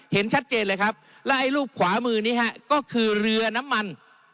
เห็นชัดเจนเลยครับแล้วไอ้รูปขวามือนี้ฮะก็คือเรือน้ำมัน